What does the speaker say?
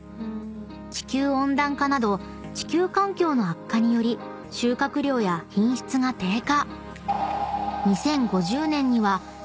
［地球温暖化など地球環境の悪化により収穫量や品質が低下］